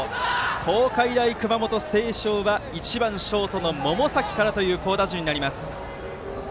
東海大熊本星翔は１番ショートの百崎からという好打順になります。